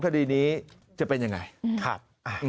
คดีนี้จะเป็นยังไงครับ